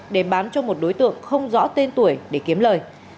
để bán cho một đối tượng không rõ tên tuổi để kiếm lời